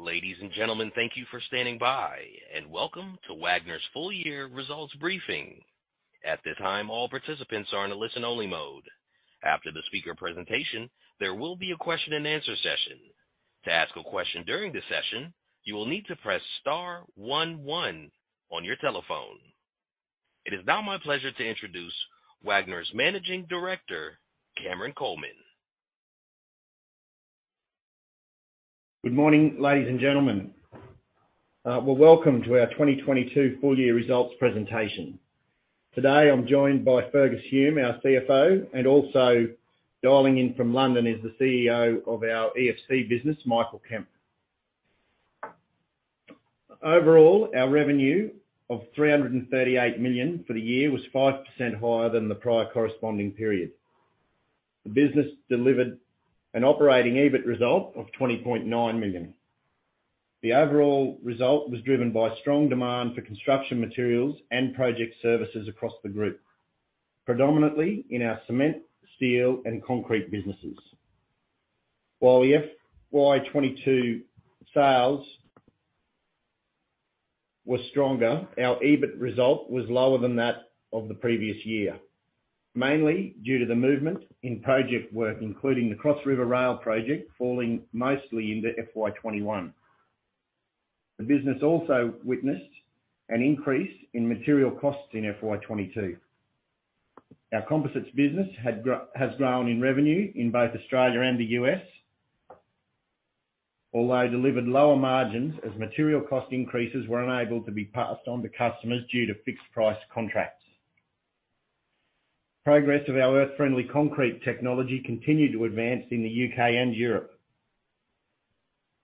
Ladies and gentlemen, thank you for standing by, and welcome to Wagners' full year results briefing. At this time, all participants are in a listen-only mode. After the speaker presentation, there will be a question and answer session. To ask a question during the session, you will need to press star one one on your telephone. It is now my pleasure to introduce Wagners' Managing Director, Cameron Coleman. Good morning, ladies and gentlemen. Welcome to our 2022 full year results presentation. Today, I'm joined by Fergus Hume, our CFO, and also dialing in from London is the CEO of our EFC business, Michael Kemp. Overall, our revenue of 338 million for the year was 5% higher than the prior corresponding period. The business delivered an operating EBIT result of 20.9 million. The overall result was driven by strong demand for construction materials and project services across the group, predominantly in our cement, steel, and concrete businesses. While FY22 sales was stronger, our EBIT result was lower than that of the previous year, mainly due to the movement in project work, including the Cross River Rail project, falling mostly into FY21. The business also witnessed an increase in material costs in FY22. Our composites business has grown in revenue in both Australia and the U.S., although delivered lower margins as material cost increases were unable to be passed on to customers due to fixed price contracts. Progress of our Earth Friendly Concrete technology continued to advance in the U.K. and Europe.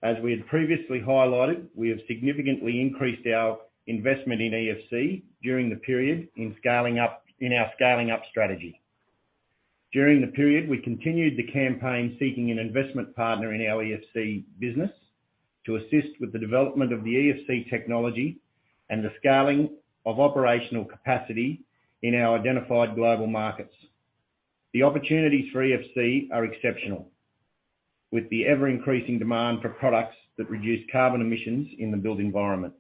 As we had previously highlighted, we have significantly increased our investment in EFC during the period in our scaling up strategy. During the period, we continued the campaign seeking an investment partner in our EFC business to assist with the development of the EFC technology and the scaling of operational capacity in our identified global markets. The opportunities for EFC are exceptional, with the ever-increasing demand for products that reduce carbon emissions in the built environment.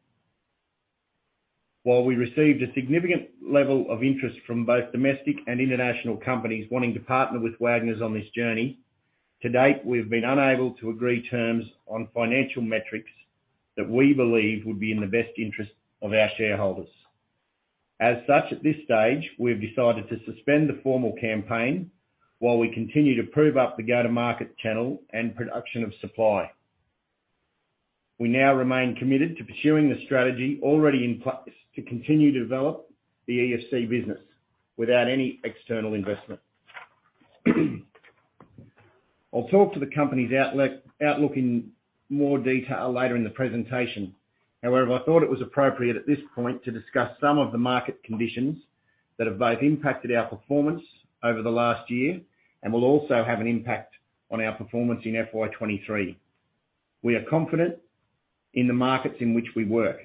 While we received a significant level of interest from both domestic and international companies wanting to partner with Wagners on this journey, to date, we've been unable to agree terms on financial metrics that we believe would be in the best interest of our shareholders. As such, at this stage, we've decided to suspend the formal campaign while we continue to prove up the go-to market channel and production of supply. We now remain committed to pursuing the strategy already in place to continue to develop the EFC business without any external investment. I'll talk about the company's outlook in more detail later in the presentation. However, I thought it was appropriate at this point to discuss some of the market conditions that have both impacted our performance over the last year and will also have an impact on our performance in FY23. We are confident in the markets in which we work.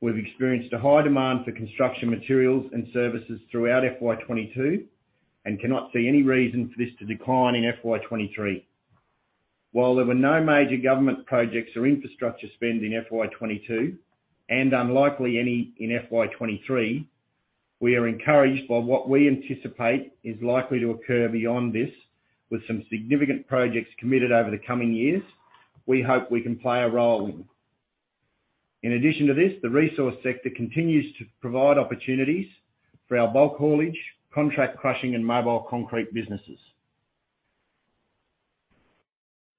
We've experienced a high demand for construction materials and services throughout FY22 and cannot see any reason for this to decline in FY23. While there were no major government projects or infrastructure spend in FY22, and unlikely any in FY23, we are encouraged by what we anticipate is likely to occur beyond this with some significant projects committed over the coming years, we hope we can play a role in. In addition to this, the resource sector continues to provide opportunities for our bulk haulage, contract crushing, and mobile concrete businesses.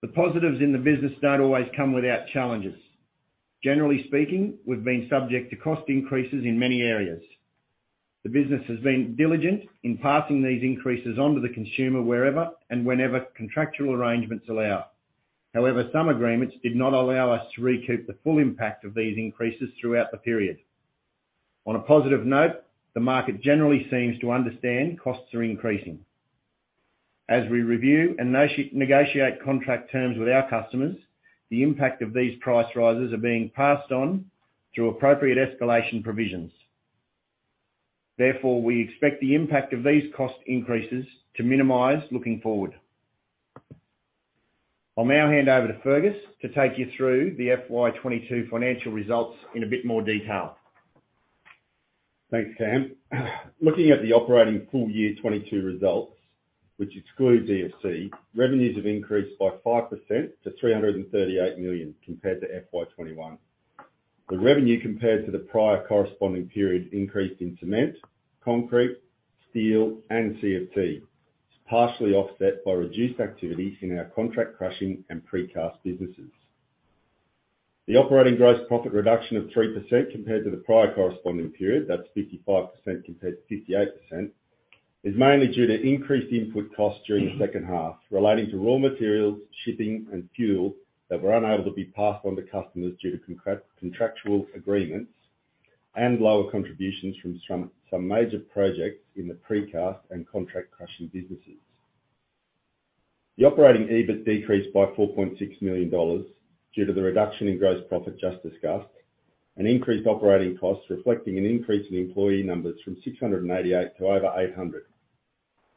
The positives in the business don't always come without challenges. Generally speaking, we've been subject to cost increases in many areas. The business has been diligent in passing these increases on to the consumer wherever and whenever contractual arrangements allow. However, some agreements did not allow us to recoup the full impact of these increases throughout the period. On a positive note, the market generally seems to understand costs are increasing. As we review and negotiate contract terms with our customers, the impact of these price rises are being passed on through appropriate escalation provisions. Therefore, we expect the impact of these cost increases to minimize looking forward. I'll now hand over to Fergus to take you through the FY22 financial results in a bit more detail. Thanks, Cam. Looking at the operating full year 2022 results, which excludes EFC, revenues have increased by 5% to 338 million compared to FY 2021. The revenue compared to the prior corresponding period increased in cement, concrete, steel, and CFT. It's partially offset by reduced activities in our contract crushing and precast businesses. The operating gross profit reduction of 3% compared to the prior corresponding period, that's 55% compared to 58%, is mainly due to increased input costs during the second half relating to raw materials, shipping, and fuel that were unable to be passed on to customers due to contractual agreements and lower contributions from some major projects in the precast and contract crushing businesses. The operating EBIT decreased by 4.6 million dollars due to the reduction in gross profit just discussed and increased operating costs reflecting an increase in employee numbers from 688 to over 800.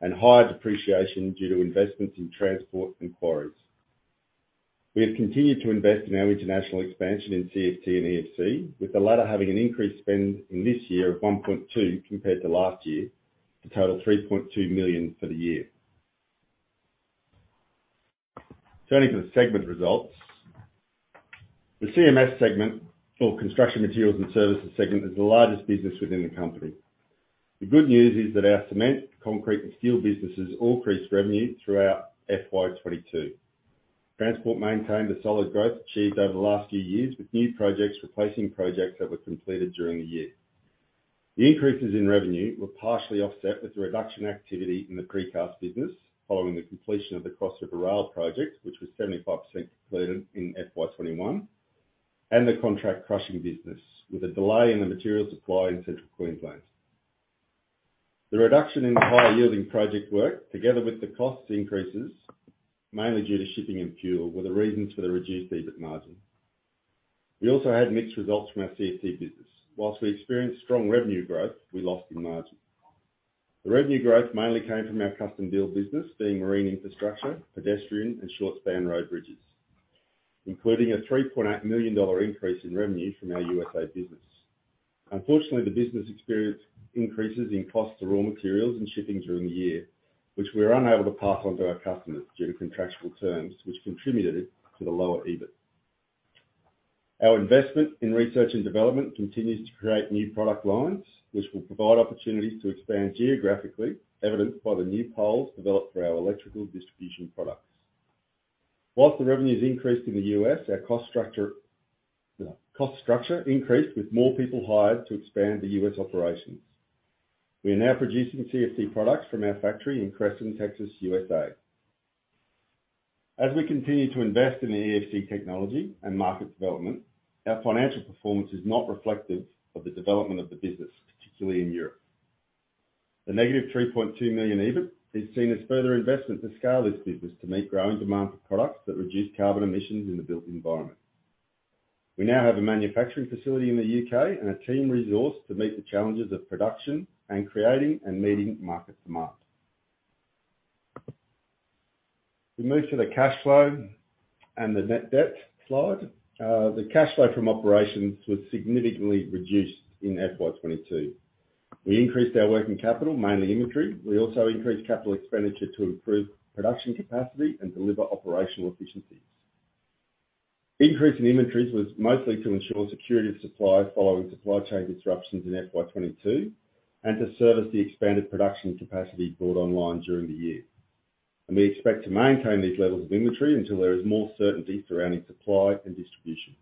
Higher depreciation due to investments in transport and quarries. We have continued to invest in our international expansion in CFT and EFC, with the latter having an increased spend in this year of 1.2 compared to last year, to total 3.2 million for the year. Turning to the segment results. The CMS segment, or Construction Materials & Services segment, is the largest business within the company. The good news is that our cement, concrete and steel businesses all increased revenue throughout FY22. Transport maintained a solid growth achieved over the last few years, with new projects replacing projects that were completed during the year. The increases in revenue were partially offset with the reduced activity in the precast business following the completion of the Cross River Rail project, which was 75% completed in FY21, and the contract crushing business, with a delay in the material supply in Central Queensland. The reduction in higher yielding project work, together with the cost increases, mainly due to shipping and fuel, were the reasons for the reduced EBIT margin. We also had mixed results from our CFT business. While we experienced strong revenue growth, we lost margin. The revenue growth mainly came from our custom build business, being marine infrastructure, pedestrian and short span road bridges, including a $3.8 million increase in revenue from our U.S.A. business. Unfortunately, the business experienced increases in cost of raw materials and shipping during the year, which we were unable to pass on to our customers due to contractual terms, which contributed to the lower EBIT. Our investment in research and development continues to create new product lines, which will provide opportunities to expand geographically, evidenced by the new poles developed for our electrical distribution products. While the revenue's increased in the U.S., our cost structure increased with more people hired to expand the U.S. operations. We are now producing CFT products from our factory in Cresson, Texas, U.S.A. As we continue to invest in the EFC technology and market development, our financial performance is not reflective of the development of the business, particularly in Europe. The negative 3.2 million EBIT is seen as further investment to scale this business to meet growing demand for products that reduce carbon emissions in the built environment. We now have a manufacturing facility in the U.K. and a team resourced to meet the challenges of production and creating and meeting market demand. We move to the cash flow and the net debt slide. The cash flow from operations was significantly reduced in FY22. We increased our working capital, mainly inventory. We also increased capital expenditure to improve production capacity and deliver operational efficiencies. Increase in inventories was mostly to ensure security of supply following supply chain disruptions in FY22, and to service the expanded production capacity brought online during the year. We expect to maintain these levels of inventory until there is more certainty surrounding supply and distribution.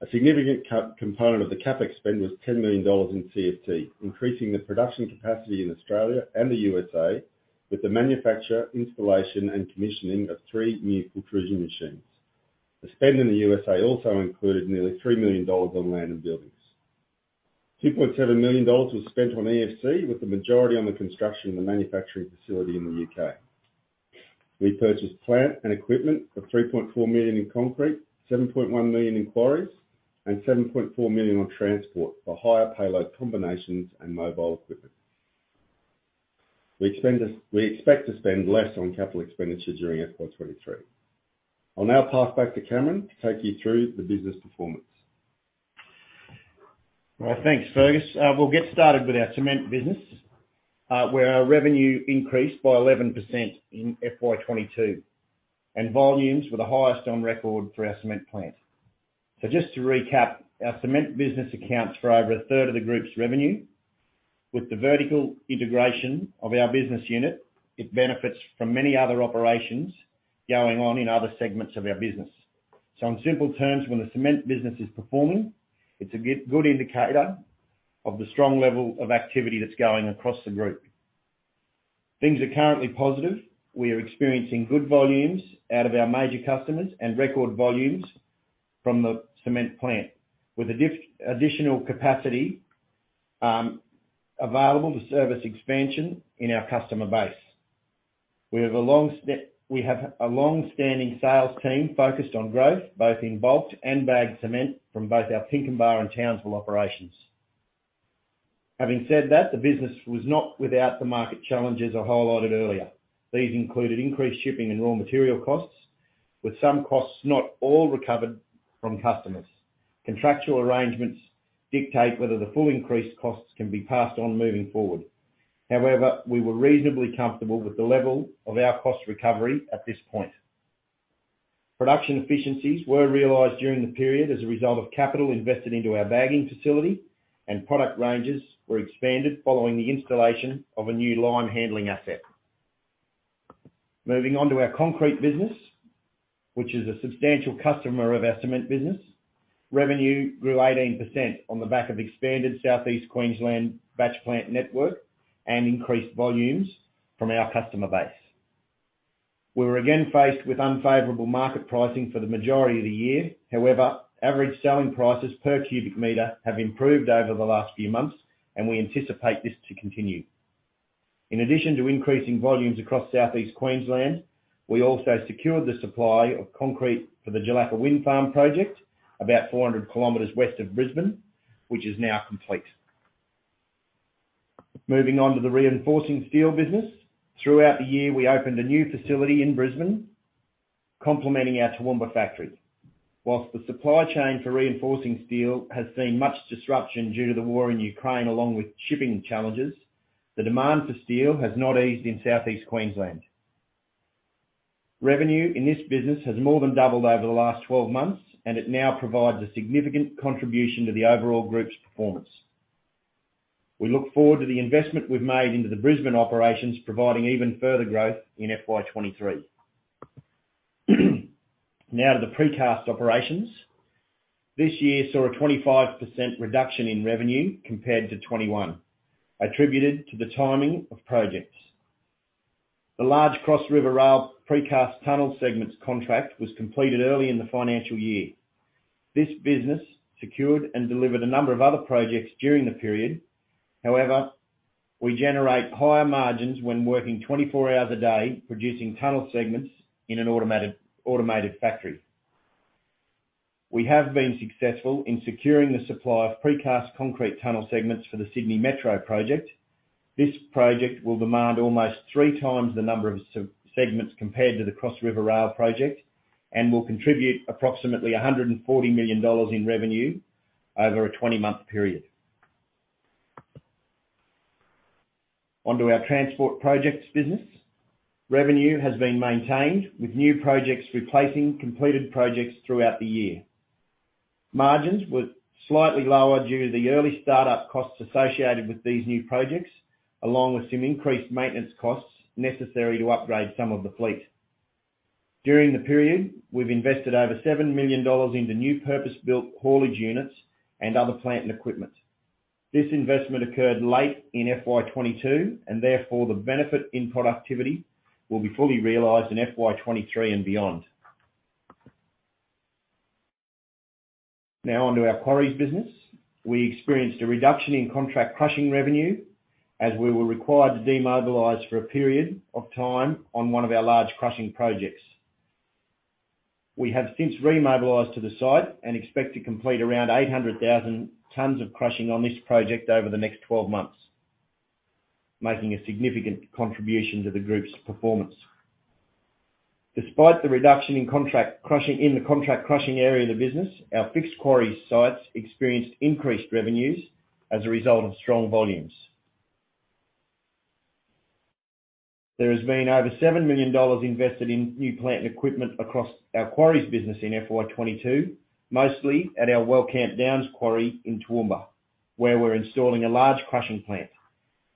A significant component of the CapEx spend was 10 million dollars in CFT, increasing the production capacity in Australia and the U.S.A. with the manufacture, installation and commissioning of three new extrusion machines. The spend in the U.S.A. also included nearly 3 million dollars on land and buildings. 2.7 million dollars was spent on EFC, with the majority on the construction of the manufacturing facility in the U.K. We purchased plant and equipment for 3.4 million in concrete, 7.1 million in quarries, and 7.4 million on transport for higher payload combinations and mobile equipment. We expect to spend less on capital expenditure during FY23. I'll now pass back to Cameron to take you through the business performance. Well, thanks, Fergus. We'll get started with our cement business, where our revenue increased by 11% in FY22, and volumes were the highest on record for our cement plant. Just to recap, our cement business accounts for over a third of the group's revenue. With the vertical integration of our business unit, it benefits from many other operations going on in other segments of our business. In simple terms, when the cement business is performing, it's a good indicator of the strong level of activity that's going across the group. Things are currently positive. We are experiencing good volumes out of our major customers and record volumes from the cement plant, with additional capacity available to service expansion in our customer base. We have a long-standing sales team focused on growth, both in bulk and bagged cement from both our Pinkenba and Townsville operations. Having said that, the business was not without the market challenges I highlighted earlier. These included increased shipping and raw material costs, with some costs not all recovered from customers. Contractual arrangements dictate whether the full increased costs can be passed on moving forward. However, we were reasonably comfortable with the level of our cost recovery at this point. Production efficiencies were realized during the period as a result of capital invested into our bagging facility, and product ranges were expanded following the installation of a new lime handling asset. Moving on to our concrete business, which is a substantial customer of our cement business. Revenue grew 18% on the back of expanded Southeast Queensland batch plant network and increased volumes from our customer base. We were again faced with unfavorable market pricing for the majority of the year. However, average selling prices per cubic meter have improved over the last few months, and we anticipate this to continue. In addition to increasing volumes across Southeast Queensland, we also secured the supply of concrete for the Dulacca Wind Farm project, about 400 km west of Brisbane, which is now complete. Moving on to the reinforcing steel business. Throughout the year, we opened a new facility in Brisbane, complementing our Toowoomba factory. While the supply chain for reinforcing steel has seen much disruption due to the war in Ukraine, along with shipping challenges, the demand for steel has not eased in Southeast Queensland. Revenue in this business has more than doubled over the last 12 months, and it now provides a significant contribution to the overall group's performance. We look forward to the investment we've made into the Brisbane operations, providing even further growth in FY23. Now to the precast operations. This year saw a 25% reduction in revenue compared to FY21, attributed to the timing of projects. The large Cross River Rail precast tunnel segments contract was completed early in the financial year. This business secured and delivered a number of other projects during the period. However, we generate higher margins when working 24 hours a day, producing tunnel segments in an automated factory. We have been successful in securing the supply of precast concrete tunnel segments for the Sydney Metro project. This project will demand almost three times the number of segments compared to the Cross River Rail project and will contribute approximately 140 million dollars in revenue over a 20-month period. On to our transport projects business. Revenue has been maintained with new projects replacing completed projects throughout the year. Margins were slightly lower due to the early start-up costs associated with these new projects, along with some increased maintenance costs necessary to upgrade some of the fleet. During the period, we've invested over 7 million dollars into new purpose-built haulage units and other plant and equipment. This investment occurred late in FY22, and therefore, the benefit in productivity will be fully realized in FY23 and beyond. Now on to our quarries business. We experienced a reduction in contract crushing revenue as we were required to demobilize for a period of time on one of our large crushing projects. We have since remobilized to the site and expect to complete around 800,000 tons of crushing on this project over the next 12 months, making a significant contribution to the group's performance. Despite the reduction in the contract crushing area of the business, our fixed quarries sites experienced increased revenues as a result of strong volumes. There has been over 7 million dollars invested in new plant and equipment across our quarries business in FY22, mostly at our Wellcamp quarry in Toowoomba, where we're installing a large crushing plant.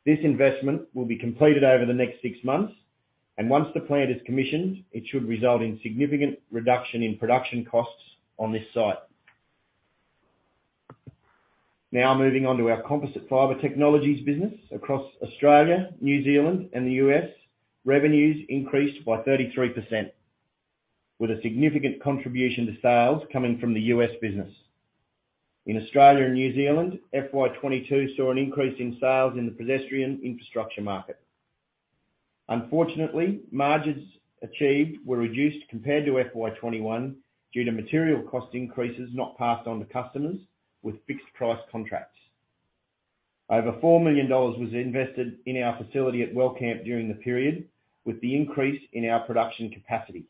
This investment will be completed over the next six months, and once the plant is commissioned, it should result in significant reduction in production costs on this site. Now moving on to our Composite Fibre Technologies business across Australia, New Zealand, and the U.S. Revenues increased by 33% with a significant contribution to sales coming from the U.S. business. In Australia and New Zealand, FY22 saw an increase in sales in the pedestrian infrastructure market. Unfortunately, margins achieved were reduced compared to FY21 due to material cost increases not passed on to customers with fixed price contracts. Over 4 million dollars was invested in our facility at Wellcamp during the period, with the increase in our production capacity.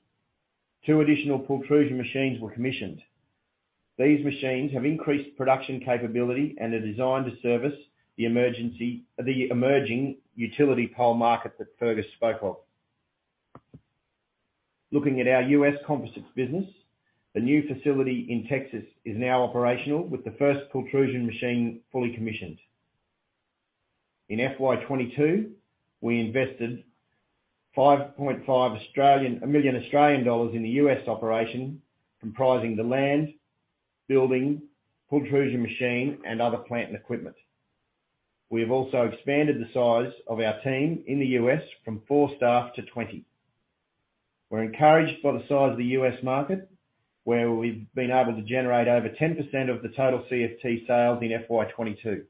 Two additional pultrusion machines were commissioned. These machines have increased production capability and are designed to service the emerging utility pole market that Fergus spoke of. Looking at our U.S. composites business, the new facility in Texas is now operational, with the first pultrusion machine fully commissioned. In FY22, we invested 5.5 million Australian dollars in the U.S. operation, comprising the land, building, pultrusion machine, and other plant and equipment. We have also expanded the size of our team in the U.S. from four staff to 20. We're encouraged by the size of the U.S. market, where we've been able to generate over 10% of the total CFT sales in FY22.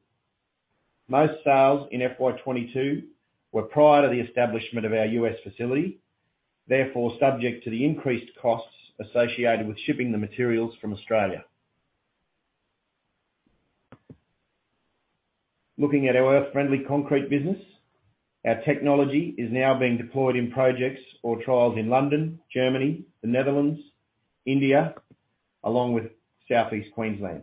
Most sales in FY22 were prior to the establishment of our U.S. facility. Therefore, subject to the increased costs associated with shipping the materials from Australia. Looking at our Earth Friendly Concrete business, our technology is now being deployed in projects or trials in London, Germany, the Netherlands, India, along with Southeast Queensland.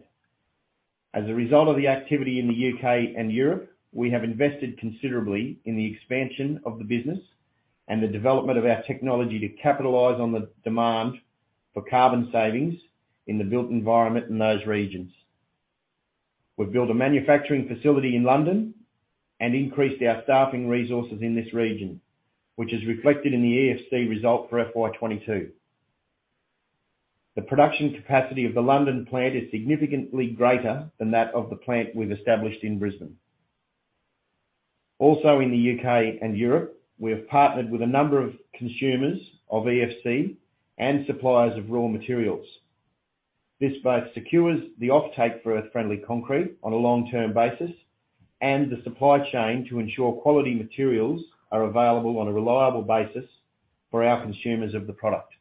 As a result of the activity in the U.K. and Europe, we have invested considerably in the expansion of the business and the development of our technology to capitalize on the demand for carbon savings in the built environment in those regions. We've built a manufacturing facility in London and increased our staffing resources in this region, which is reflected in the EFC result for FY22. The production capacity of the London plant is significantly greater than that of the plant we've established in Brisbane. Also in the U.K. and Europe, we have partnered with a number of consumers of EFC and suppliers of raw materials. This both secures the offtake for Earth Friendly Concrete on a long-term basis and the supply chain to ensure quality materials are available on a reliable basis for our consumers of the product.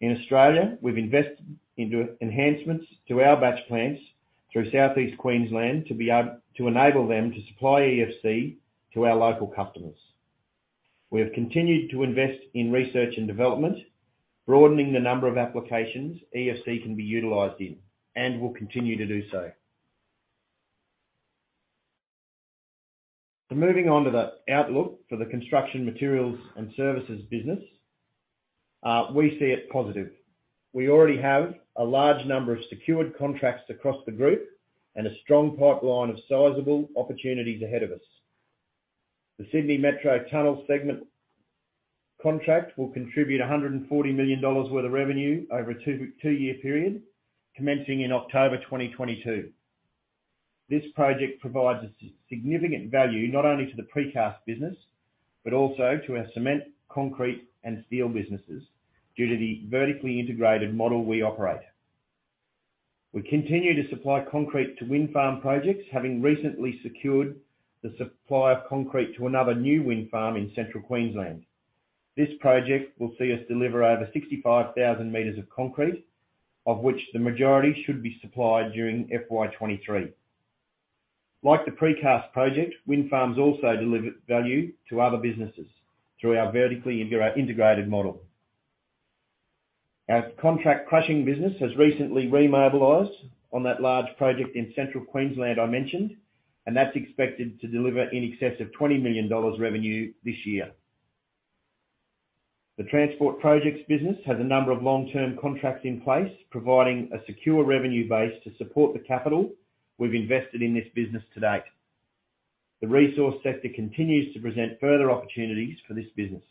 In Australia, we've invested into enhancements to our batch plants through Southeast Queensland to enable them to supply EFC to our local customers. We have continued to invest in research and development, broadening the number of applications EFC can be utilized in, and will continue to do so. Moving on to the outlook for the construction materials and services business, we see it positive. We already have a large number of secured contracts across the group and a strong pipeline of sizable opportunities ahead of us. The Sydney Metro tunnel segment contract will contribute 140 million dollars worth of revenue over a two-year period, commencing in October 2022. This project provides significant value not only to the precast business, but also to our cement, concrete and steel businesses due to the vertically integrated model we operate. We continue to supply concrete to wind farm projects, having recently secured the supply of concrete to another new wind farm in Central Queensland. This project will see us deliver over 65,000 m of concrete, of which the majority should be supplied during FY23. Like the precast project, wind farms also deliver value to other businesses through our vertically integrated model. Our contract crushing business has recently remobilized on that large project in Central Queensland I mentioned, and that's expected to deliver in excess of 20 million dollars revenue this year. The transport projects business has a number of long-term contracts in place, providing a secure revenue base to support the capital we've invested in this business to date. The resource sector continues to present further opportunities for this business.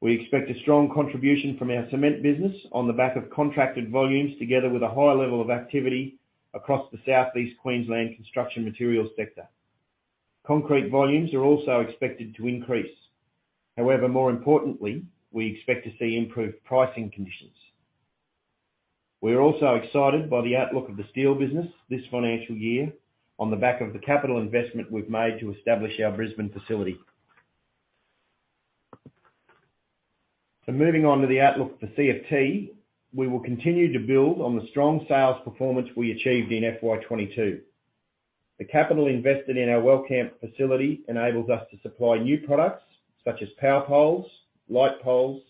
We expect a strong contribution from our cement business on the back of contracted volumes, together with a high level of activity across the Southeast Queensland construction materials sector. Concrete volumes are also expected to increase. However, more importantly, we expect to see improved pricing conditions. We are also excited by the outlook of the steel business this financial year on the back of the capital investment we've made to establish our Brisbane facility. Moving on to the outlook for CFT, we will continue to build on the strong sales performance we achieved in FY22. The capital invested in our Wellcamp facility enables us to supply new products such as power poles, light poles,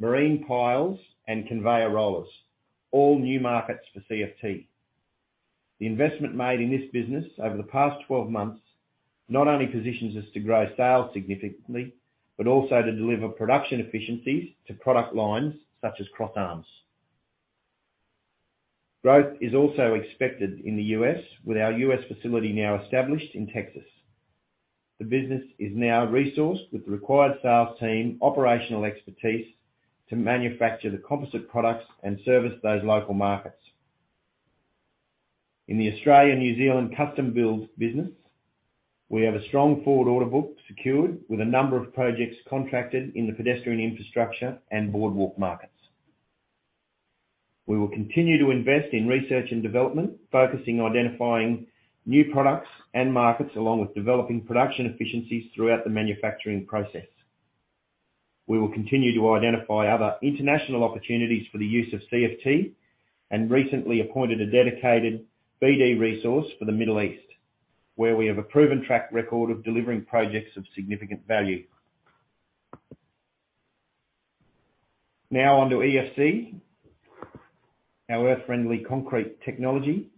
marine piles and conveyor rollers, all new markets for CFT. The investment made in this business over the past 12 months not only positions us to grow sales significantly, but also to deliver production efficiencies to product lines such as cross arms. Growth is also expected in the U.S. with our U.S. facility now established in Texas. The business is now resourced with the required sales team operational expertise to manufacture the composite products and service those local markets. In the Australia/New Zealand custom builds business, we have a strong forward order book secured with a number of projects contracted in the pedestrian infrastructure and boardwalk markets. We will continue to invest in research and development, focusing on identifying new products and markets, along with developing production efficiencies throughout the manufacturing process. We will continue to identify other international opportunities for the use of CFT, and recently appointed a dedicated BD resource for the Middle East, where we have a proven track record of delivering projects of significant value. Now on to EFC, our Earth Friendly Concrete technology.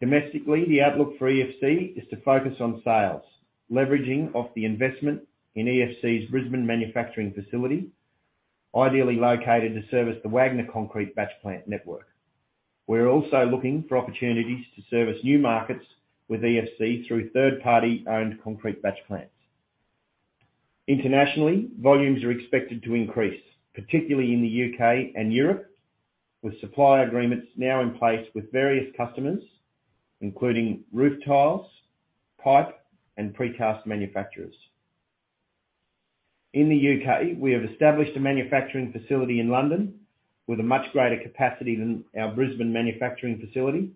Domestically, the outlook for EFC is to focus on sales, leveraging off the investment in EFC's Brisbane manufacturing facility, ideally located to service the Wagners concrete batch plant network. We're also looking for opportunities to service new markets with EFC through third-party owned concrete batch plants. Internationally, volumes are expected to increase, particularly in the U.K. and Europe, with supply agreements now in place with various customers, including roof tiles, pipe, and precast manufacturers. In the U.K., we have established a manufacturing facility in London with a much greater capacity than our Brisbane manufacturing facility.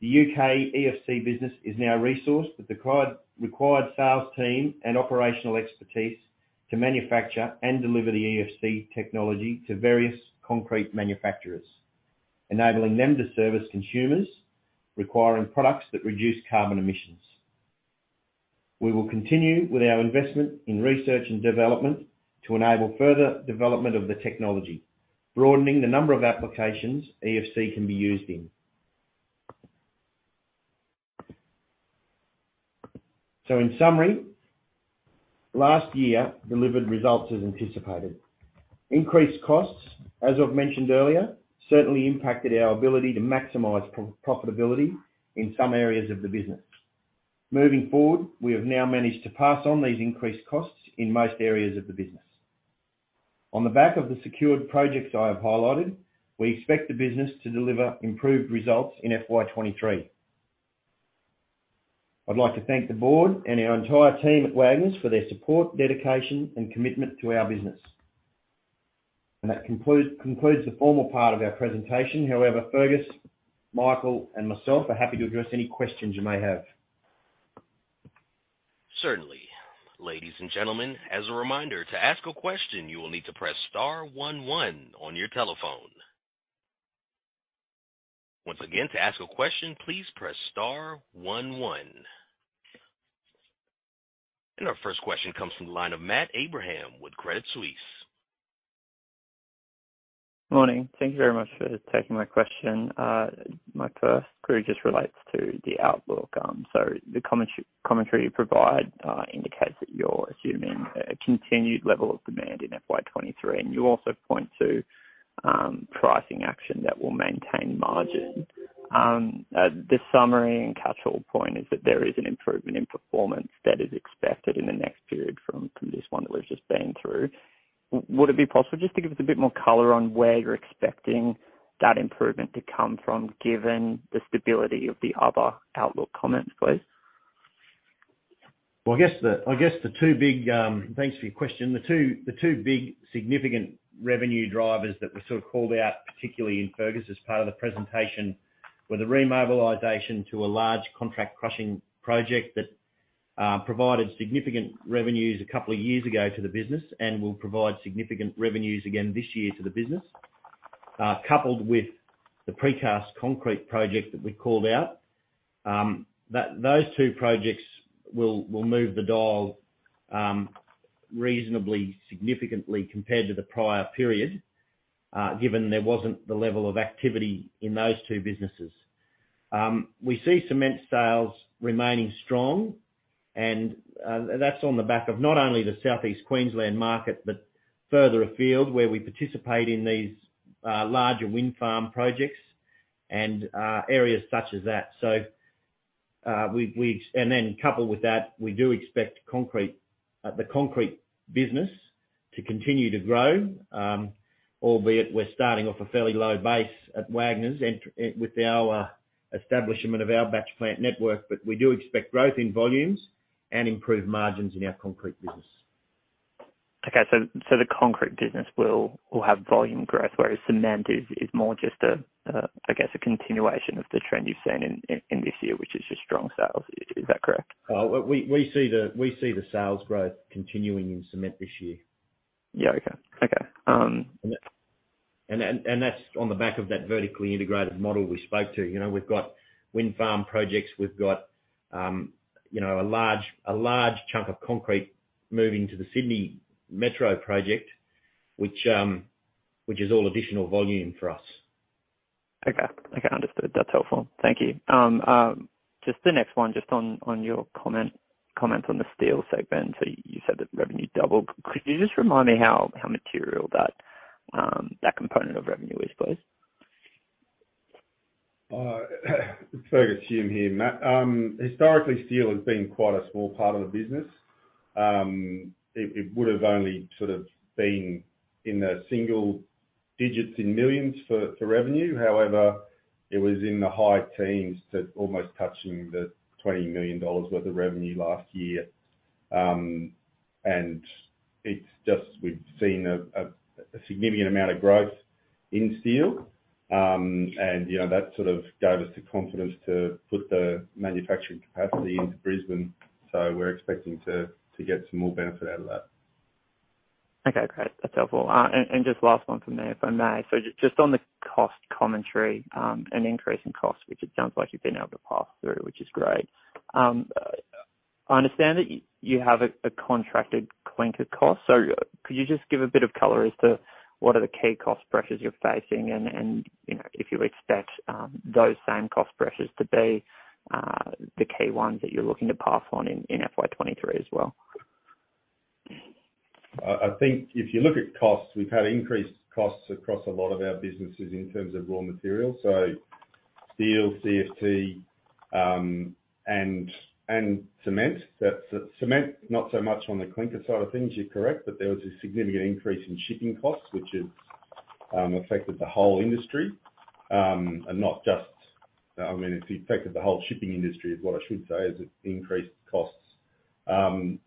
The UK EFC business is now resourced with the required sales team and operational expertise to manufacture and deliver the EFC technology to various concrete manufacturers, enabling them to service consumers requiring products that reduce carbon emissions. We will continue with our investment in research and development to enable further development of the technology, broadening the number of applications EFC can be used in. In summary, last year delivered results as anticipated. Increased costs, as I've mentioned earlier, certainly impacted our ability to maximize profitability in some areas of the business. Moving forward, we have now managed to pass on these increased costs in most areas of the business. On the back of the secured projects I have highlighted, we expect the business to deliver improved results in FY23. I'd like to thank the board and our entire team at Wagners for their support, dedication and commitment to our business. That concludes the formal part of our presentation. However, Fergus, Michael and myself are happy to address any questions you may have. Certainly. Ladies and gentlemen, as a reminder, to ask a question, you will need to press star one one on your telephone. Once again, to ask a question, please press star one one. Our first qestion comes from the line of Matthew Abraham with Credit Suisse. Morning. Thank you very much for taking my question. My first query just relates to the outlook. So the commentary you provide indicates that you're assuming a continued level of demand in FY 2023, and you also point to pricing action that will maintain margin. The summary and catchall point is that there is an improvement in performance that is expected in the next period from this one that we've just been through. Would it be possible just to give us a bit more color on where you're expecting that improvement to come from, given the stability of the other outlook comments, please? Thanks for your question. The two big significant revenue drivers that were sort of called out, particularly in Fergus's part of the presentation, were the remobilization to a large contract crushing project that provided significant revenues a couple of years ago to the business and will provide significant revenues again this year to the business, coupled with the precast concrete project that we called out. Those two projects will move the dial reasonably significantly compared to the prior period, given there wasn't the level of activity in those two businesses. We see cement sales remaining strong and that's on the back of not only the Southeast Queensland market, but further afield, where we participate in these larger wind farm projects and areas such as that. Coupled with that, we do expect the concrete business to continue to grow, albeit we're starting off a fairly low base at Wagners and with our establishment of our batch plant network. We do expect growth in volumes and improved margins in our concrete business. Okay. The concrete business will have volume growth, whereas cement is more just a, I guess, a continuation of the trend you've seen in this year, which is just strong sales. Is that correct? We see the sales growth continuing in cement this year. Yeah. Okay. That's on the back of that vertically integrated model we spoke to. You know, we've got wind farm projects, we've got you know, a large chunk of concrete moving to the Sydney Metro project, which is all additional volume for us. Okay. Understood. That's helpful. Thank you. Just the next one, just on your comments on the steel segment. You said that revenue doubled. Could you just remind me how material that component of revenue is, please? Fergus here, Matt. Historically, steel has been quite a small part of the business. It would have only sort of been in the single digits in millions for revenue. However, it was in the high teens to almost touching the 20 million dollars worth of revenue last year. It's just we've seen a significant amount of growth in steel. You know, that sort of gave us the confidence to put the manufacturing capacity into Brisbane. We're expecting to get some more benefit out of that. Okay, great. That's helpful. Just last one from me, if I may. Just on the cost commentary, an increase in cost, which it sounds like you've been able to pass through, which is great. I understand that you have a contracted clinker cost. Could you just give a bit of color as to what are the key cost pressures you're facing? You know, if you expect those same cost pressures to be the key ones that you're looking to pass on in FY23 as well. I think if you look at costs, we've had increased costs across a lot of our businesses in terms of raw materials, so steel, CFT, and cement. That's cement, not so much on the clinker side of things, you're correct, but there was a significant increase in shipping costs, which has affected the whole industry. I mean, it's affected the whole shipping industry, which is what I should say.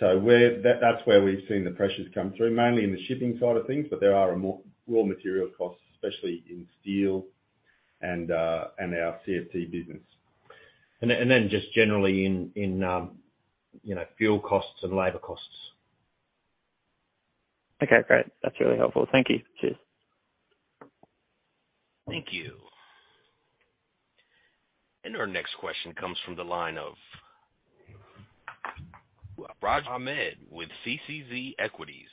That's where we've seen the pressures come through, mainly in the shipping side of things. There are more raw material costs, especially in steel and our CFT business. Just generally in you know, fuel costs and labor costs. Okay, great. That's really helpful. Thank you. Cheers. Thank you. Our next question comes from the line of Raju Ahmed with CCZ Equities.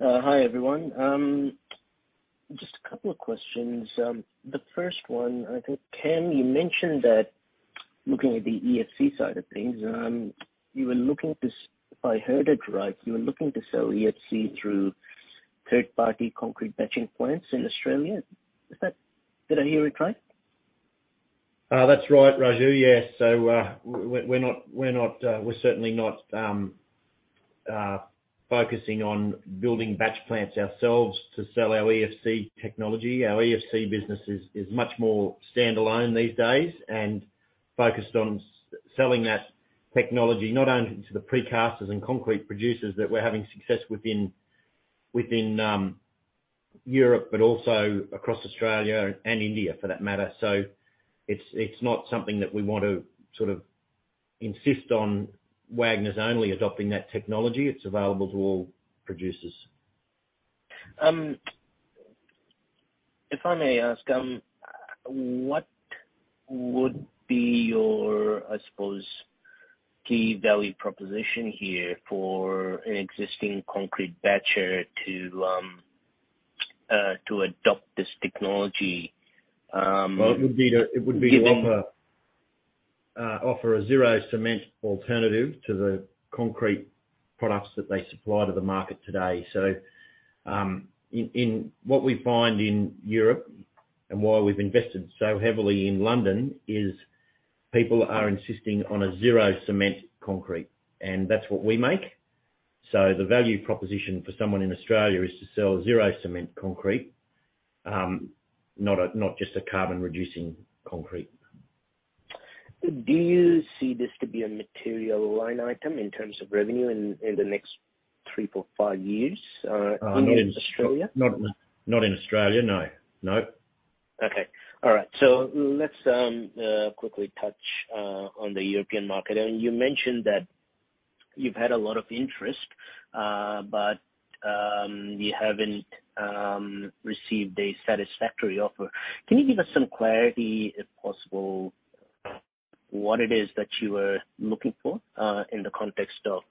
Hi, everyone. Just a couple of questions. The first one, I think, Cam, you mentioned that looking at the EFC side of things, you were looking to if I heard it right, you were looking to sell EFC through third-party concrete batching plants in Australia. Is that? Did I hear it right? That's right, Raju. Yes. We're certainly not focusing on building batch plants ourselves to sell our EFC technology. Our EFC business is much more standalone these days and focused on selling that technology not only to the precasters and concrete producers that we're having success within Europe, but also across Australia and India, for that matter. It's not something that we want to sort of insist on Wagners only adopting that technology. It's available to all producers. If I may ask, what would be your, I suppose, key value proposition here for an existing concrete batcher to adopt this technology? Well, it would be. Given- It would be to offer a zero cement alternative to the concrete products that they supply to the market today. What we find in Europe and why we've invested so heavily in London is people are insisting on a zero cement concrete, and that's what we make. The value proposition for someone in Australia is to sell zero cement concrete, not just a carbon reducing concrete. Do you see this to be a material line item in terms of revenue in the next 3-5 years in Australia? Not in Australia. No. Okay. All right. Let's quickly touch on the European market. I mean, you mentioned that you've had a lot of interest, but you haven't received a satisfactory offer. Can you give us some clarity, if possible, what it is that you are looking for, in the context of,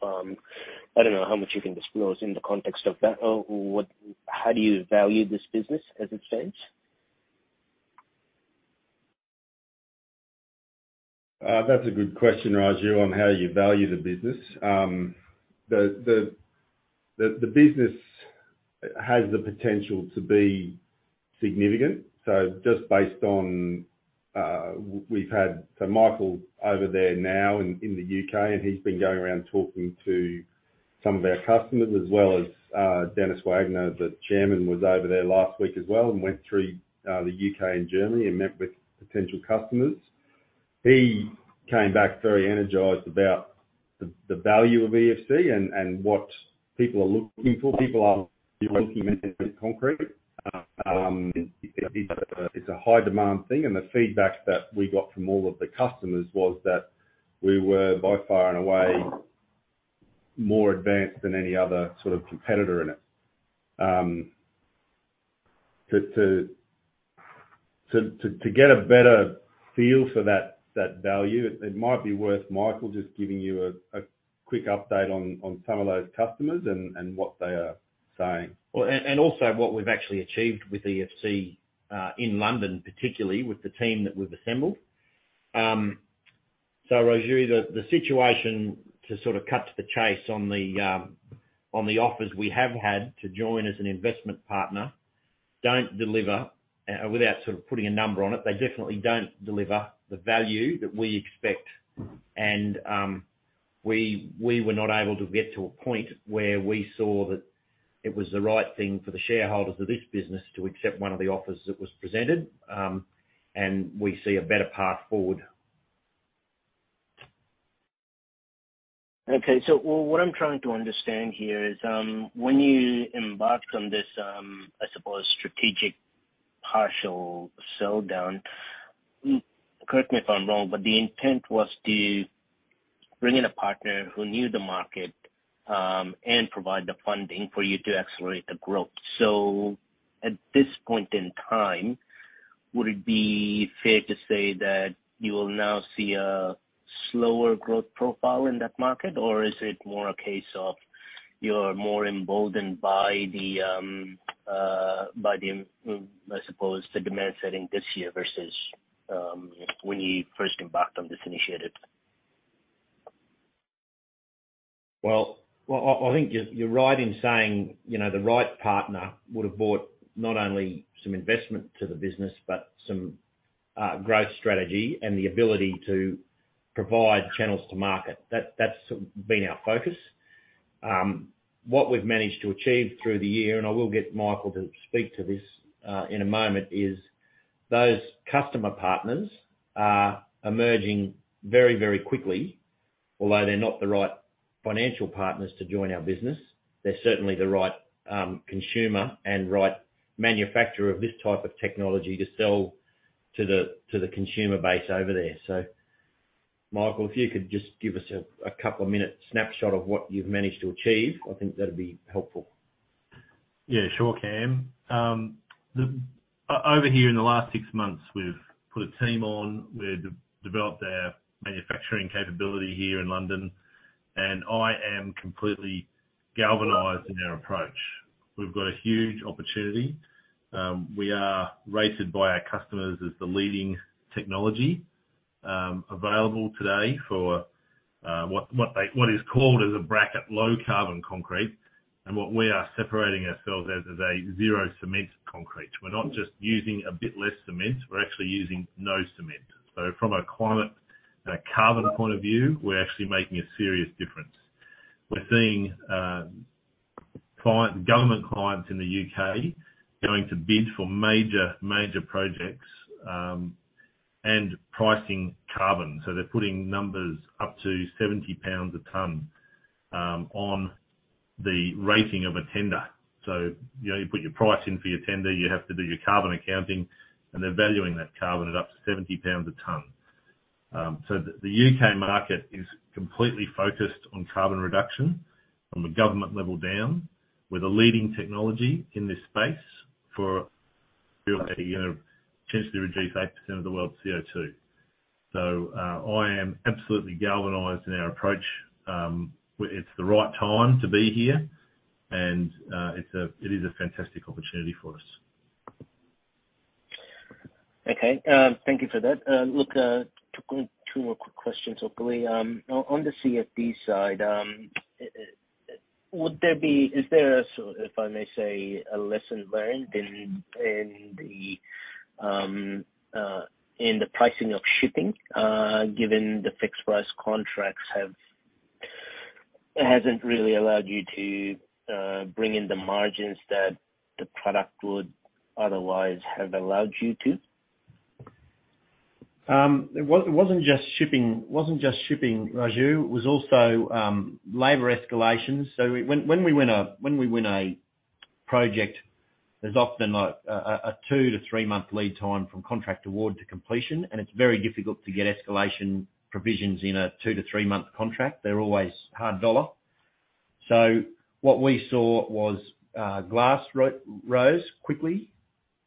I don't know how much you can disclose in the context of that or what, how do you value this business as it stands? That's a good question, Raju, on how you value the business. The business has the potential to be significant. Just based on Michael over there now in the UK, and he's been going around talking to some of our customers as well as Denis Wagner, the Chairman, was over there last week as well and went through the UK and Germany and met with potential customers. He came back very energized about the value of EFC and what people are looking for. People are looking at concrete. It's a high demand thing, and the feedback that we got from all of the customers was that we were by far and away more advanced than any other sort of competitor in it. Just to get a better feel for that value, it might be worth Michael just giving you a quick update on some of those customers and what they are saying. Well, also what we've actually achieved with EFC in London, particularly with the team that we've assembled. Raju, the situation, to sort of cut to the chase on the offers we have had to join as an investment partner don't deliver. Without sort of putting a number on it, they definitely don't deliver the value that we expect. We were not able to get to a point where we saw that it was the right thing for the shareholders of this business to accept one of the offers that was presented, and we see a better path forward. Okay. What I'm trying to understand here is, when you embarked on this, I suppose strategic partial sell down, correct me if I'm wrong, but the intent was to bring in a partner who knew the market, and provide the funding for you to accelerate the growth. At this point in time, would it be fair to say that you will now see a slower growth profile in that market? Or is it more a case of you're more emboldened by the, I suppose, the demand setting this year versus, when you first embarked on this initiative? Well, I think you're right in saying, you know, the right partner would have brought not only some investment to the business but some growth strategy and the ability to provide channels to market. That's been our focus. What we've managed to achieve through the year, and I will get Michael to speak to this in a moment, is those customer partners are emerging very quickly. Although they're not the right financial partners to join our business, they're certainly the right consumer and right manufacturer of this type of technology to sell to the consumer base over there. Michael, if you could just give us a couple of minutes snapshot of what you've managed to achieve, I think that'd be helpful. Yeah, sure, Cameron. Over here in the last six months, we've put a team on. We've developed our manufacturing capability here in London, and I am completely galvanized in our approach. We've got a huge opportunity. We are rated by our customers as the leading technology available today for what they call low carbon concrete and what we are separating ourselves as a zero cement concrete. We're not just using a bit less cement. We're actually using no cement. From a climate and a carbon point of view, we're actually making a serious difference. We're seeing government clients in the U.K. going to bid for major projects, pricing carbon. They're putting numbers up to 70 pounds a ton on the rating of a tender. You know, you put your price in for your tender, you have to do your carbon accounting, and they're valuing that carbon at up to 70 pounds a ton. The U.K. market is completely focused on carbon reduction from a government level down. We're the leading technology in this space for a potential to reduce 8% of the world's CO2. I am absolutely galvanized in our approach. It's the right time to be here, and it's a fantastic opportunity for us. Okay. Thank you for that. Look, two more quick questions, quickly. On the CFT side, is there, so if I may say, a lesson learned in the pricing of shipping, given the fixed price contracts hasn't really allowed you to bring in the margins that the product would otherwise have allowed you to? It wasn't just shipping. It wasn't just shipping, Raju. It was also labor escalations. When we win a project, there's often like a 2-3-month lead time from contract award to completion, and it's very difficult to get escalation provisions in a 2-3-month contract. They're always hard dollar. What we saw was glass rose quickly,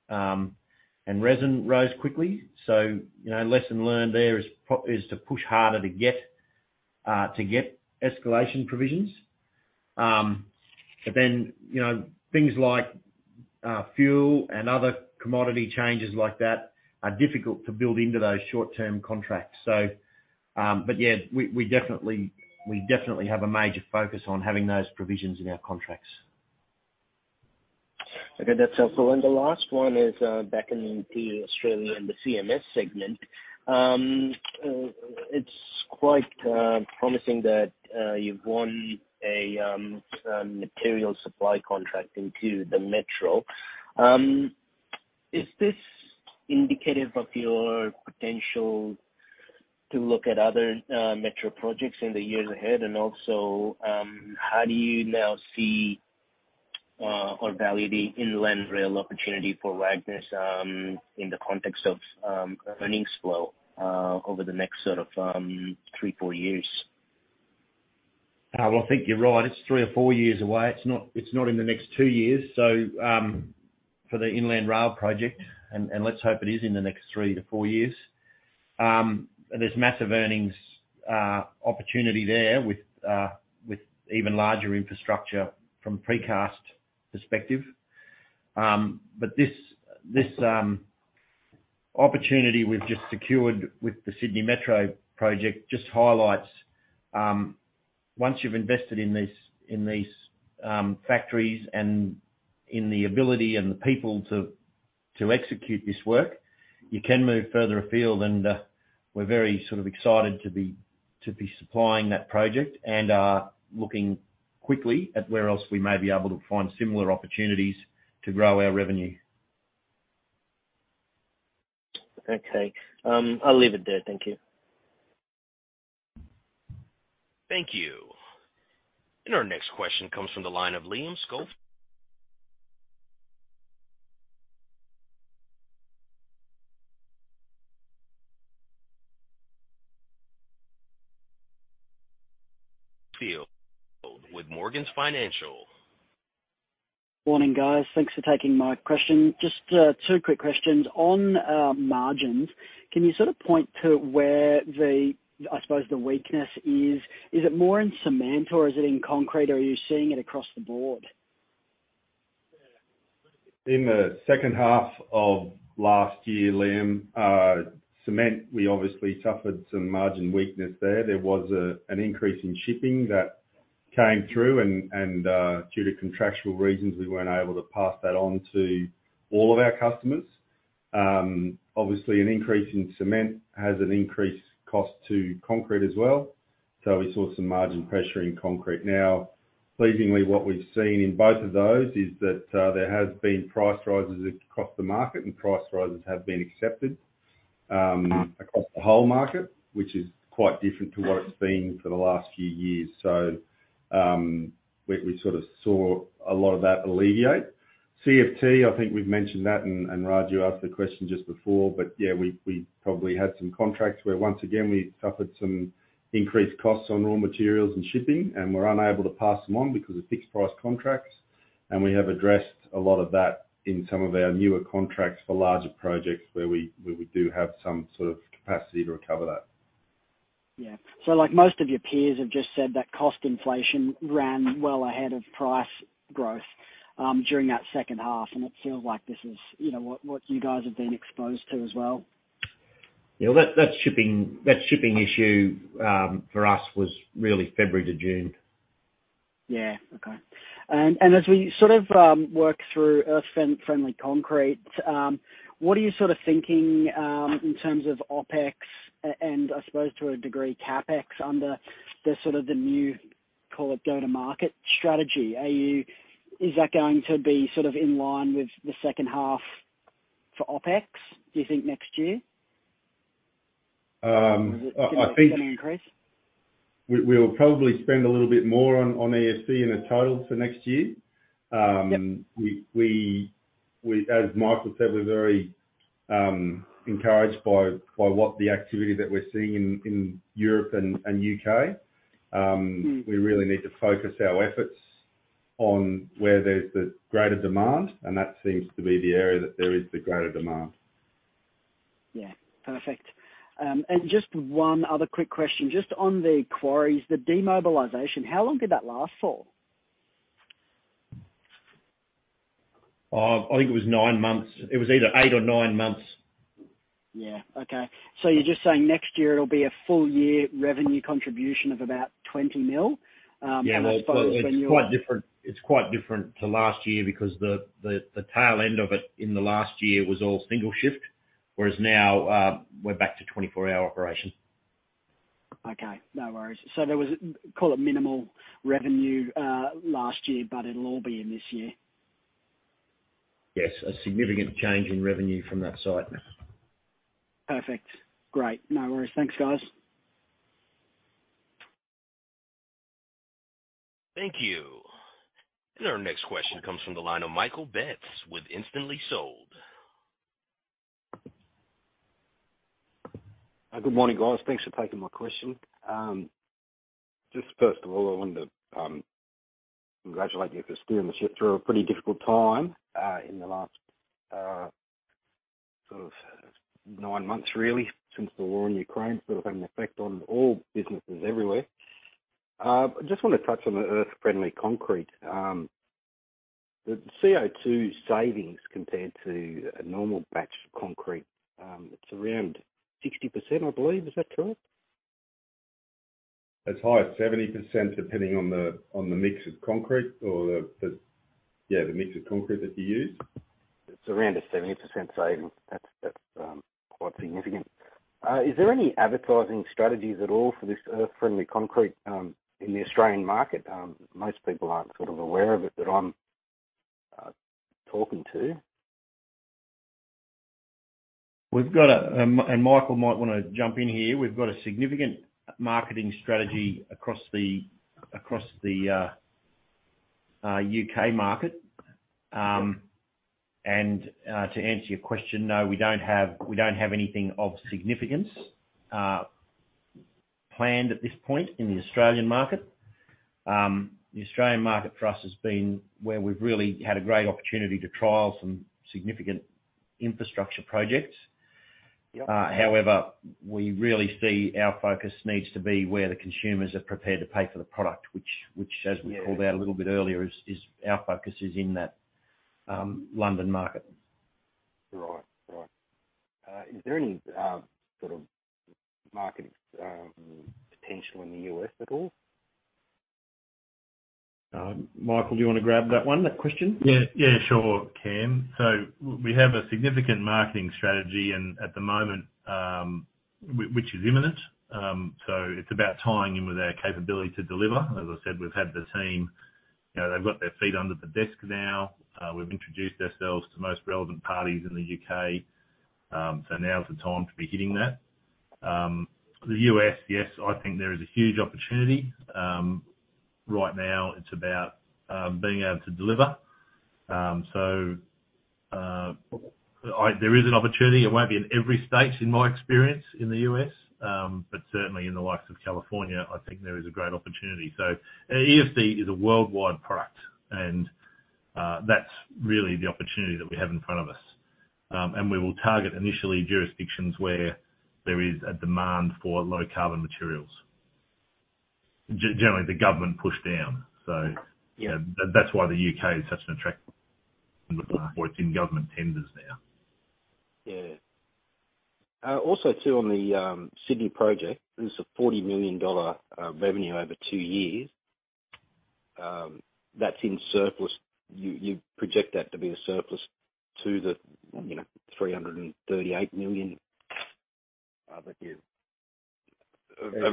and resin rose quickly. You know, lesson learned there is to push harder to get escalation provisions. But then, you know, things like fuel and other commodity changes like that are difficult to build into those short-term contracts. Yeah, we definitely have a major focus on having those provisions in our contracts. Okay. That's helpful. The last one is back in Australia and the CMS segment. It's quite promising that you've won a material supply contract into the Metro. Is this indicative of your potential to look at other metro projects in the years ahead? Also, how do you now see or value the Inland Rail opportunity for Wagners in the context of earnings flow over the next sort of 3-4 years? Well, I think you're right. It's three or four years away. It's not in the next two years. For the Inland Rail project, let's hope it is in the next three to four years. There's massive earnings opportunity there with even larger infrastructure from a precast perspective. But this opportunity we've just secured with the Sydney Metro project just highlights, once you've invested in these factories and in the ability and the people to execute this work, you can move further afield. We're very sort of excited to be supplying that project and are looking quickly at where else we may be able to find similar opportunities to grow our revenue. Okay. I'll leave it there. Thank you. Thank you. Our next question comes from the line of Liam Schofield with Morgans Financial. Morning, guys. Thanks for taking my question. Just two quick questions. On margins, can you sort of point to where the, I suppose, the weakness is? Is it more in cement or is it in concrete, or are you seeing it across the board? In the second half of last year, Liam, cement, we obviously suffered some margin weakness there. There was an increase in shipping that came through and due to contractual reasons, we weren't able to pass that on to all of our customers. Obviously an increase in cement has an increased cost to concrete as well. We saw some margin pressure in concrete. Now, pleasingly, what we've seen in both of those is that there has been price rises across the market and price rises have been accepted across the whole market, which is quite different to what it's been for the last few years. We sort of saw a lot of that alleviate. CFT, I think we've mentioned that and Raju asked the question just before, but yeah, we probably had some contracts where once again, we suffered some increased costs on raw materials and shipping, and we're unable to pass them on because of fixed price contracts. We have addressed a lot of that in some of our newer contracts for larger projects where we do have some sort of capacity to recover that. Yeah. Like most of your peers have just said that cost inflation ran well ahead of price growth during that second half, and it feels like this is, you know, what you guys have been exposed to as well. Yeah, well, that shipping issue for us was really February to June. Yeah. Okay. As we sort of work through Earth Friendly Concrete, what are you sort of thinking in terms of OpEx and I suppose to a degree CapEx under the sort of the new Call it go-to-market strategy. Is that going to be sort of in line with the second half for OpEx, do you think next year? Or is it gonna increase? We'll probably spend a little bit more on EFC in a total for next year. Yep. We as Michael said, we're very encouraged by what the activity that we're seeing in Europe and U.K. Mm. We really need to focus our efforts on where there's the greater demand, and that seems to be the area that there is the greater demand. Yeah. Perfect. Just one other quick question, just on the quarries, the demobilization, how long did that last for? I think it was nine months. It was either eight or nine months. Yeah. Okay. You're just saying next year it'll be a full year revenue contribution of about 20 million. Yeah. It's quite different to last year because the tail end of it in the last year was all single shift, whereas now, we're back to 24-hour operation. Okay. No worries. There was, call it minimal revenue last year, but it'll all be in this year? Yes. A significant change in revenue from that site. Perfect. Great. No worries. Thanks, guys. Thank you. Our next question comes from the line of Michael Betts with Instantly Sold. Good morning, guys. Thanks for taking my question. Just first of all, I wanted to congratulate you for steering the ship through a pretty difficult time in the last sort of nine months really, since the war in Ukraine sort of had an effect on all businesses everywhere. I just wanna touch on the Earth Friendly Concrete. The CO2 savings compared to a normal batch of concrete, it's around 60%, I believe. Is that correct? As high as 70% depending on the mix of concrete or yeah, the mix of concrete that you use. It's around a 70% saving. That's quite significant. Is there any advertising strategies at all for this Earth Friendly Concrete in the Australian market? Most people aren't sort of aware of it that I'm talking to. Michael might wanna jump in here. We've got a significant marketing strategy across the UK market. To answer your question, no, we don't have anything of significance planned at this point in the Australian market. The Australian market for us has been where we've really had a great opportunity to trial some significant infrastructure projects. Yep. However, we really see our focus needs to be where the consumers are prepared to pay for the product, which as we- Yeah. Called out a little bit earlier is our focus in that London market. Right. Is there any sort of market potential in the U.S. at all? Michael, do you wanna grab that one, that question? Yeah, sure, Cam. We have a significant marketing strategy and at the moment, which is imminent. It's about tying in with our capability to deliver. As I said, we've had the team. You know, they've got their feet under the desk now. We've introduced ourselves to most relevant parties in the U.K. Now is the time to be hitting that. The U.S, yes, I think there is a huge opportunity. Right now it's about being able to deliver. There is an opportunity. It won't be in every state in my experience in the U.S, but certainly in the likes of California, I think there is a great opportunity. EFC is a worldwide product, and that's really the opportunity that we have in front of us. We will target initially jurisdictions where there is a demand for low carbon materials. Generally, the government push down. Yeah. That's why the U.K. is such an attractive in government tenders now. Yeah. Also too on the Sydney project, this is a 40 million dollar revenue over two years. That's in surplus. You project that to be a surplus to the, you know, 338 million of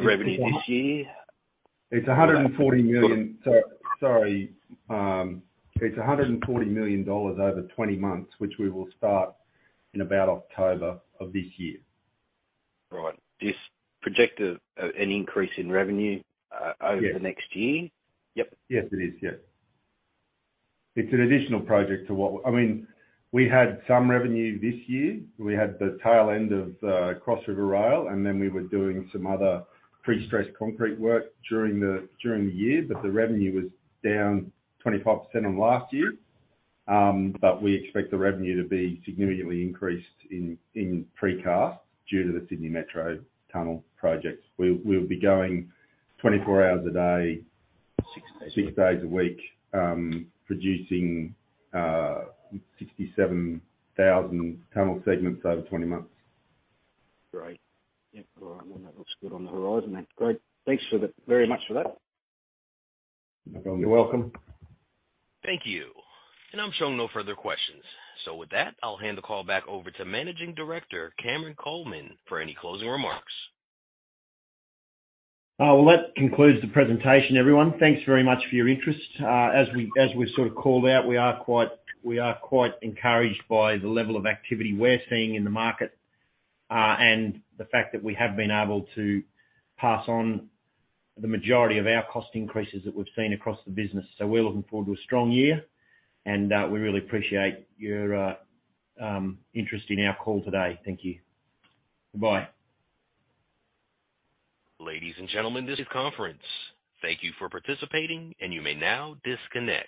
revenue this year. It's 140 million. Or- Sorry. It's 140 million dollars over 20 months, which we will start in about October of this year. Right. This projection of an increase in revenue. Yes. Over the next year? Yep. Yes, it is. Yes. It's an additional project. I mean, we had some revenue this year. We had the tail end of Cross River Rail, and then we were doing some other pre-stress concrete work during the year, the revenue was down 25% on last year. We expect the revenue to be significantly increased in precast due to the Sydney Metro tunnel projects. We'll be going 24 hours a day. Six days a week. 6 days a week, producing 67,000 tunnel segments over 20 months. Great. Yep. All right. Well, that looks good on the horizon then. Great. Thanks very much for that. You're welcome. Thank you. I'm showing no further questions. With that, I'll hand the call back over to Managing Director Cameron Coleman for any closing remarks. Well, that concludes the presentation, everyone. Thanks very much for your interest. As we sort of called out, we are quite encouraged by the level of activity we're seeing in the market, and the fact that we have been able to pass on the majority of our cost increases that we've seen across the business. We're looking forward to a strong year, and we really appreciate your interest in our call today. Thank you. Goodbye. Ladies and gentlemen, this is conference. Thank you for participating, and you may now disconnect.